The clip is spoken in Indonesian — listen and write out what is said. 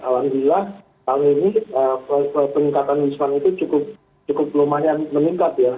alhamdulillah tahun ini peningkatan wisman itu cukup lumayan meningkat ya